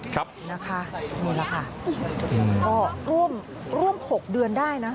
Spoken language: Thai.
ครับนะคะนี่แหละค่ะร่วม๖เดือนได้นะ